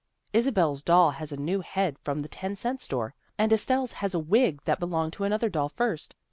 Isabel's doll has a new head from the ten cent store, and Estelle's has a wig that be longed to another doll first.